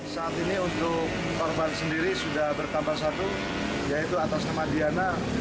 saat ini untuk korban sendiri sudah bertambah satu yaitu atas nama diana